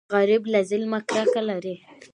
غریب له ظلمه کرکه لري